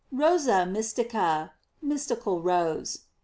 "Rosa mystica :" Mystical rose.